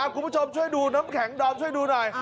คุณผู้ชมช่วยดูน้ำแข็งดอมช่วยดูหน่อย